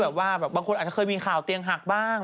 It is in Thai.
บางคนเคยมีข่าวเตียงหักบ้าง